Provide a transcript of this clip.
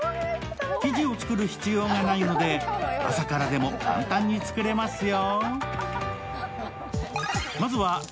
生地を作る必要がないので、朝からでも簡単に作れますよ。